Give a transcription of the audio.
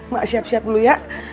mak siap siap dulu ya